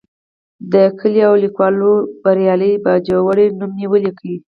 د ګیلې او لیکوال بریالي باجوړي نوم مې ولیکه.